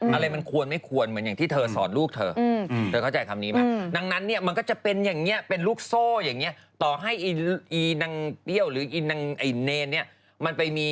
อะไรมันควรไม่ควรเหมือนอย่างที่เธอสอนลูกเธอเธอเข้าใจคำนี้ไหม